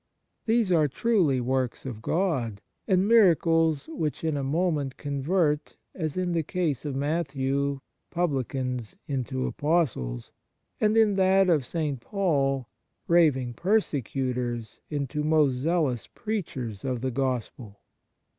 These are truly works of God, and miracles which in a moment convert, as in the case of Matthew, publicans into Apostles, and, in that of St. Paul, raving persecutors into most zealous preachers of the Gospel."